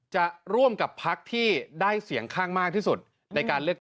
จะร่วมกับพักที่ได้เสียงข้างมากที่สุดในการเลือกตั้ง